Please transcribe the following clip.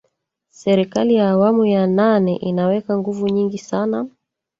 Serikali ya awamu ya nane inaweka nguvu nyingi sana